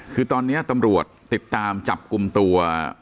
คือตอนนี้ตำรวจติดตามจับกลุ่มตัว